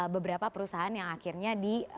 beberapa perusahaan yang akhirnya